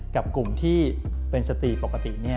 กับกลุ่มที่เป็นสตรีปกติ